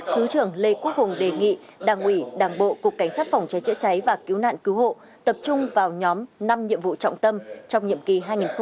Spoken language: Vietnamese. thứ trưởng lê quốc hùng đề nghị đảng ủy đảng bộ cục cảnh sát phòng cháy chữa cháy và cứu nạn cứu hộ tập trung vào nhóm năm nhiệm vụ trọng tâm trong nhiệm kỳ hai nghìn hai mươi hai nghìn hai mươi năm